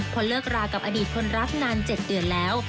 พอเลิกรากับอดีตคนรักนาน๗เดือนแล้ว